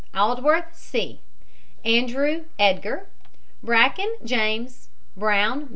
ALDWORTH, C. ANDREW, EDGAR. BRACKEN, JAMES H. BROWN, MRS.